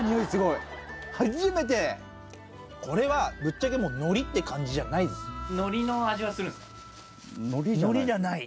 これはぶっちゃけもう海苔って感じじゃないです。